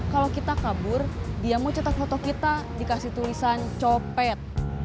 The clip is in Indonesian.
kalau kita kabur dia mau cetak foto kita dikasih tulisan copet